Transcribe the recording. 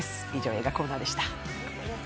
映画コーナーでした。